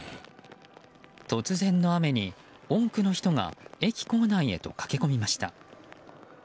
突然の雨に多くの人が駅構内へと駆け込みました。